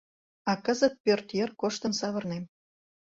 А кызыт пӧрт йыр коштын савырнем.